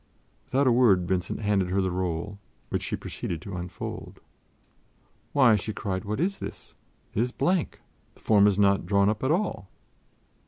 Without a word, Vincent handed her the roll, which she proceeded to unfold. "Why," she cried, "what is this? It is blank! The form is not drawn up at all!"